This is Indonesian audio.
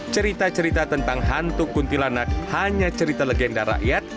cerita cerita tentang hantu kuntilanak hanya cerita legenda rakyat